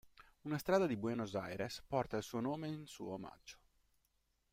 Una strada di Buenos Aires porta il suo nome in suo omaggio.